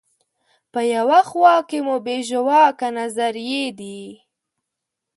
په یوه خوا کې مو بې ژواکه نظریې دي.